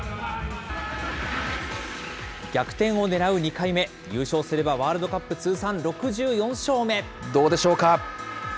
逆転をねらう２回目、優勝すればワールドカップ通算６４勝目。